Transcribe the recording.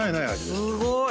すごい！